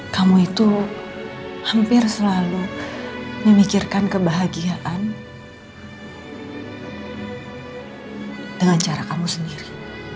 kamu itu hampir selalu memikirkan kebahagiaan dengan cara kamu sendiri